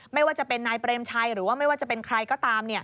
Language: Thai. ไม่ว่าจะเป็นนายเปรมชัยหรือว่าไม่ว่าจะเป็นใครก็ตาม